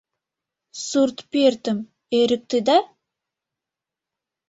Сурт пӧртым эрыктеда?